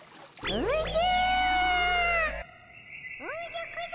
おじゃ？